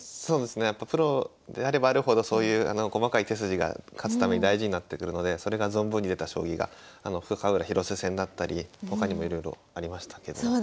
そうですねやっぱプロであればあるほどそういう細かい手筋が勝つために大事になってくるのでそれが存分に出た将棋が深浦広瀬戦だったり他にもいろいろありましたけど。